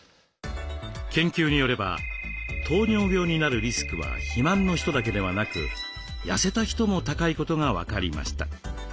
研究によれば糖尿病になるリスクは肥満の人だけではなくやせた人も高いことが分かりました。